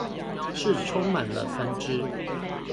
是充滿了分支